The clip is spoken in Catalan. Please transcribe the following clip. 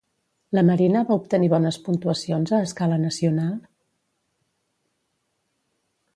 La Marina va obtenir bones puntuacions a escala nacional?